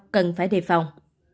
cần phải đề phòng